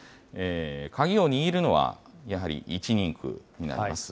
鍵を握るのはやはり１人区になります。